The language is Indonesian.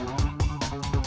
tidak ada yang bisa dikunci